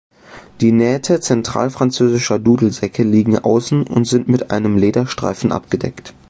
Die Nähte zentralfranzösischer Dudelsäcke liegen außen und sind mit einem Lederstreifen abgedeckt.